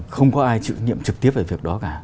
không có ai chịu nhiệm trực tiếp về việc đó cả